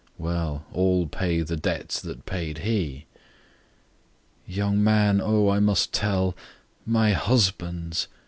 ... Well, all pay the debt that paid he!" "Young man, O must I tell!—My husband's!